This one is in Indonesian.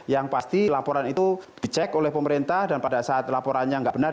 yang pasti laporan itu dicek oleh pemerintah dan pada saat laporannya tidak benar